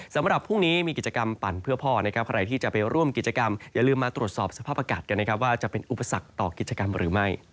สำหรับพรุ่งนี้มีกิจกรรมปั่นเพื่อพ่อนะครับใครที่จะไปร่วมกิจกรรมอย่าลืมมาตรวจสอบสภาพอากาศกันนะครับว่าจะเป็นอุปสรรคต่อกิจกรรมหรือไม่